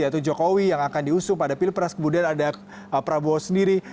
yaitu jokowi jokowi yang akan diusup lalu ada pilpres kemudian ada prabowo sendiri